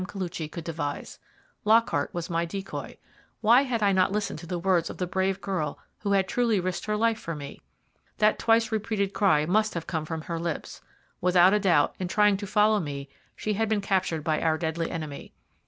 Koluchy could devise. Lockhart was my decoy. Why had I not listened to the words of the brave girl who had truly risked her life for me? That twice repeated cry must have come from her lips. Without doubt, in trying to follow me she had been captured by our deadly enemy.